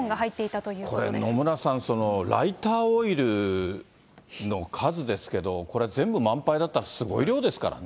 これ、野村さん、ライターオイルの数ですけど、これ、全部満杯だったらすごい量ですからね。